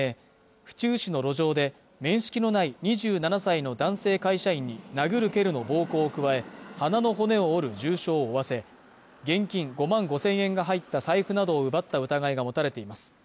府中市の路上で面識のない２７歳の男性会社員に殴る蹴るの暴行を加え鼻の骨を折る重傷を負わせ現金５万５０００円が入った財布などを奪った疑いが持たれています